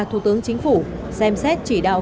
thủ tướng chính phủ xem xét chỉ đạo